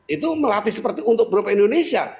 itu melatih seperti untuk bropa indonesia